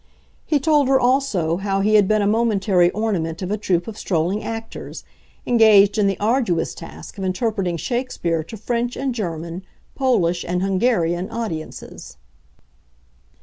He told her also how he had been a momentary ornament of a troupe of strolling actors, engaged in the arduous task of interpreting Shakespeare to French and German, Polish and Hungarian audiences.